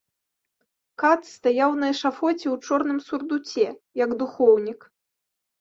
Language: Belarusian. Кат стаяў на эшафоце ў чорным сурдуце, як духоўнік.